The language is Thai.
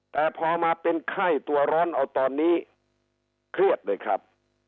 แต่พอมาเป็นไข้ตัวร้อนเอาตอนนี้เครียดเลยครับ